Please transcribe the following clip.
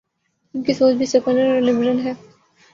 ان کی سوچ بھی سیکولر اور لبرل ہے۔